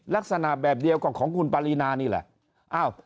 ลักษณะแบบเดียวก็ของคุณปารีนานี่แหละ